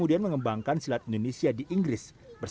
dan juga olimpiade